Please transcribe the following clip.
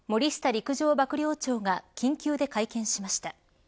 陸上幕僚長が緊急で会見しました。